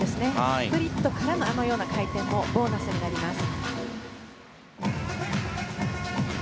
スプリットからの回転はボーナスになります。